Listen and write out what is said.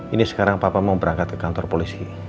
ini sekarang papa mau berangkat ke kantor polisi